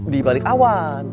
di balik awan